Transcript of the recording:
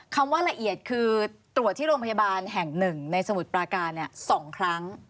คำว่าละเอียดคือตรวจที่โรงพยาบาลแห่งหนึ่งในสมุทรปราการ๒ครั้ง